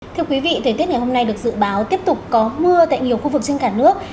thưa quý vị thời tiết ngày hôm nay được dự báo tiếp tục có mưa tại nhiều khu vực trên cả nước